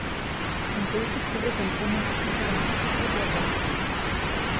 On peut aussi trouver comme prénom pour cet arbitre Gyula Gere.